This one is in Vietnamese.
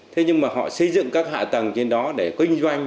thế nhưng mà họ xây dựng các hạ tầng trên đó để kinh doanh